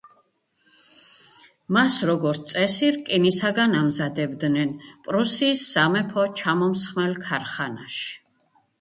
მას, როგორც წესი, რკინისაგან ამზადებდნენ პრუსიის სამეფო ჩამომსხმელ ქარხანაში.